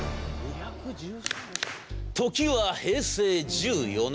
時は平成１４年。